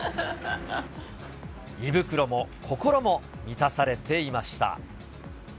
胃袋も心も満たされていました。